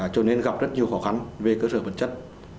cho nên gặp rất nhiều khó khăn về cơ sở vật chất